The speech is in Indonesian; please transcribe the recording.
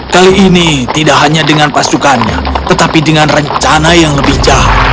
kali ini tidak hanya dengan pasukannya tetapi dengan rencana yang lebih jahat